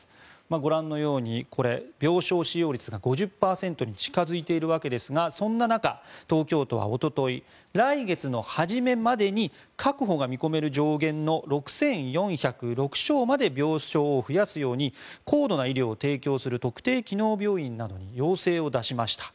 ご覧のように病床使用率が５０％に近付いているわけですがそんな中、東京都はおととい来月の初めまでに確保が見込める上限の６４０６床まで病床を増やすように高度な医療を提供する特定機能病院などに要請を出しました。